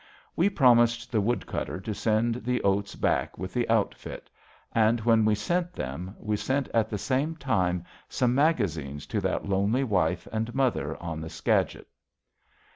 We promised the wood cutter to send the oats back with the outfit; and when we sent them, we sent at the same time some magazines to that lonely wife and mother on the Skagit.